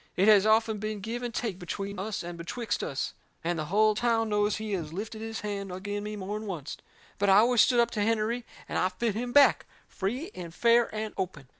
It has often been give and take between us and betwixt us. And the hull town knows he has lifted his hand agin me more'n oncet. But I always stood up to Hennerey, and I fit him back, free and fair and open.